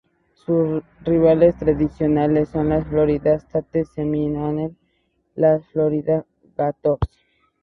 Sus rivales tradicionales son los Florida State Seminoles y los Florida Gators.